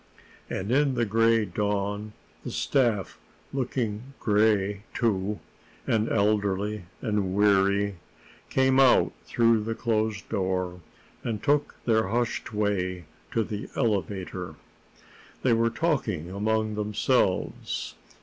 And in the gray dawn the staff, looking gray too, and elderly and weary, came out through the closed door and took their hushed way toward the elevator. They were talking among themselves.